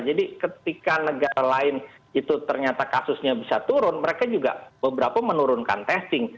jadi ketika negara lain itu ternyata kasusnya bisa turun mereka juga beberapa menurunkan testing